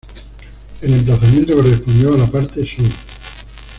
El emplazamiento correspondió a la parte sur.